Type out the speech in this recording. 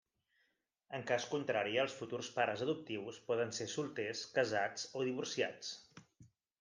En cas contrari, els futurs pares adoptius poden ser solters, casats o divorciats.